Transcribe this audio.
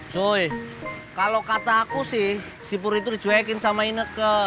suy kalau kata aku sih sipur itu dijoekin sama ineke